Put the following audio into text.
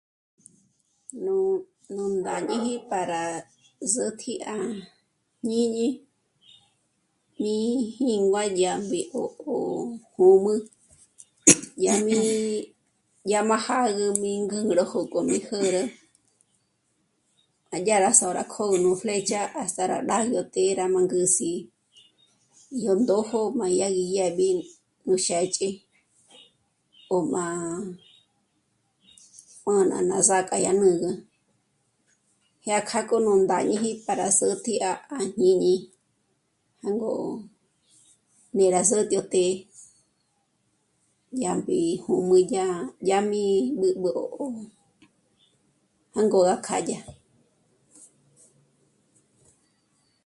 Nú ndàñiji para zä̌'tji à jñini mí jíngua dyá mbí ó ó hùmü dyà gí... dyà m'a jâgü 'ín gú ngrójo k'o mí järä. M'a dyà rá só'rá kjǘtjü nú flecha hasta ná ngá ndóroté'e rá m'a ngü̂s'i yó ndójo m'a dyà gí mbédye nú xë́ch'i ó m'a juā̌jma ná zàk'a yó 'ùnü, dyàjkja k'o nú ndáñiji para zä̌tji à jñíni jângo né'e rá zä̀t'ätje dyàmbi hùmü, dyàmbi b'ǚb'ü jângo ngá kjádya